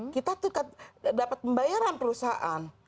kita tuh dapat pembayaran perusahaan